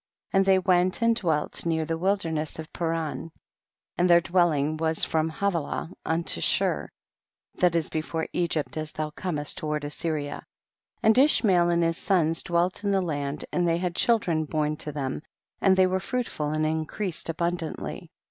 20. And they went and dwelt near 74 THE BOOK OF JASHER. the wilderness of Paran, and their dwelhng was from Havilah unto Shur, that is before Egypt as thou comest toward Assyria. 21. And Ishmael and his sons dwelt in the land, and they had chil dren born to them, and they were fruitful and increased abundantly.